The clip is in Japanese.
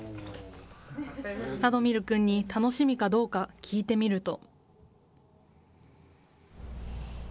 ラドミル君に、楽しみかどうか聞いてみると。